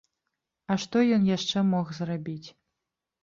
А што ён яшчэ мог зрабіць?